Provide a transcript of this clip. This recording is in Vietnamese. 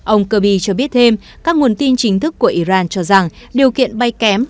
ông kirby cho biết thêm các nguồn tin chính thức của iran cho rằng điều kiện bay kém